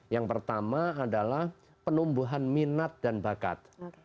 yang pertama adalah penumbuhan minat dan bakat